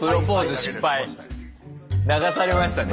流されましたね